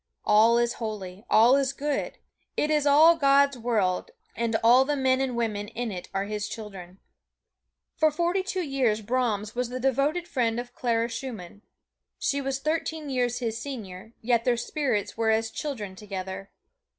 All is holy, all is good it is all God's world, and all the men and women in it are His children. For forty two years Brahms was the devoted friend of Clara Schumann. She was thirteen years his senior, yet their spirits were as children together.